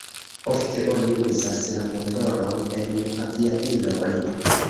Ofte oni uzas la motoron en aviadiloj.